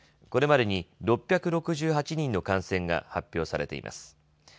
これまでに６６８人の感染が発表されています。